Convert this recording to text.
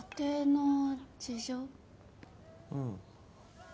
うん。